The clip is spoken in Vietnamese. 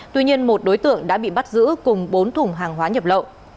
tuy nhiên một đối tượng đã bị bắt giữ cùng bốn thùng hàng hóa nhập lậu